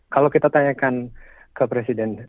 kalau kita tanyakan ke presiden